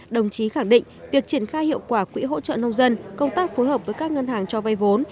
đồng chí khẳng định việc triển khai hiệu quả quỹ hỗ trợ nông dân công tác phối hợp với các ngân hàng cho vay vốn